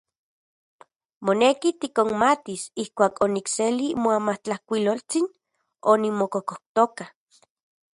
Moneki tikonmatis ijkuak onikseli moamatlajkuiloltsin onimokokojtoka.